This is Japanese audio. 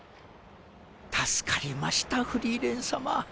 助かりましたフリーレン様。